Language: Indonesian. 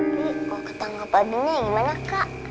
kalo ketangkep abinya gimana kak